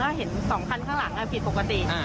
แล้วเห็น๒คันข้างหลังผิดปกติ